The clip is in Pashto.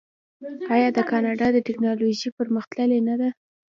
آیا د کاناډا ټیکنالوژي پرمختللې نه ده؟